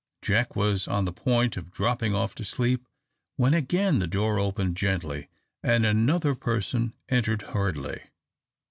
Jack was on the point of dropping off to sleep when again the door opened gently, and another person entered hurriedly.